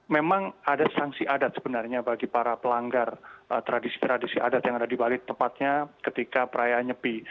memang ada sanksi adat sebenarnya bagi para pelanggar tradisi tradisi adat yang ada di bali tepatnya ketika perayaan nyepi